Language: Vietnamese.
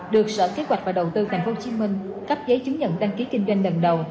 được sở kế hoạch và đầu tư tp hcm cấp giấy chứng nhận đăng ký kinh doanh lần đầu